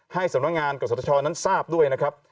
ให้สำนักงานกับสถาชนนั้นทราบด้วยนะครับ